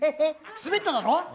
スベっただろ？